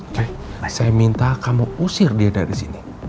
oke saya minta kamu usir dia dari sini